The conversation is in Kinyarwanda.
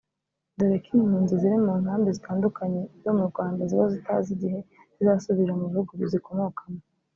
dore ko impunzi ziri mu nkambi zitandukanye zo mu Rwanda ziba zitazi igihe zizasubirira mu bihugu zikomokamo